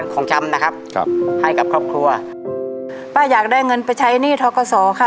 ของจำนะครับครับให้กับครอบครัวป้าอยากได้เงินไปใช้หนี้ท้อกศค่ะ